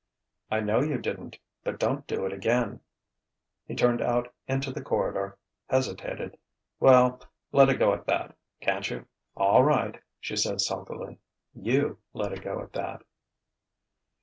"I know you didn't, but don't do it again." He turned out into the corridor; hesitated. "Well let it go at that, can't you?" "All right," she said sulkily: "you let it go at that."